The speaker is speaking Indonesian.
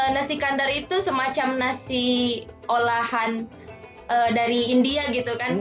nasi kandar itu semacam nasi olahan dari india gitu kan